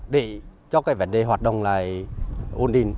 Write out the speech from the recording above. để cho cái vấn đề hoạt động lại ổn định